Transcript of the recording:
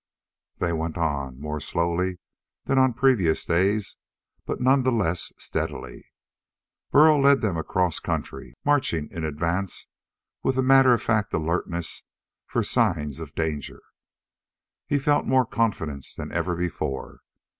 They went on, more slowly than on previous days, but none the less steadily. Burl led them across country, marching in advance with a matter of fact alertness for signs of danger. He felt more confidence than ever before.